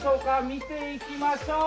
見ていきましょう。